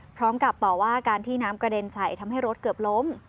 พร้อมกับต่อว่าการที่น้ำกระเด็นใส่ทำให้รถเกือบล้ม